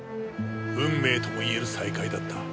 運命とも言える再会だった。